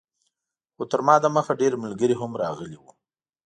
خو تر ما دمخه ډېر ملګري هم راغلي وو.